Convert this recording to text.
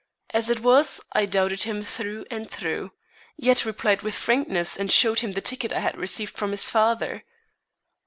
As it was, I doubted him through and through, yet replied with frankness and showed him the ticket I had received from his father.